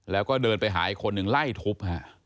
แล้วก็เดินไปหาอีกคนหนึ่งไล่ทุบฮะ